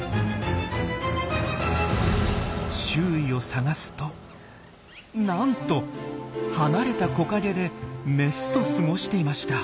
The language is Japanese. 周囲を捜すとなんと離れた木陰でメスと過ごしていました。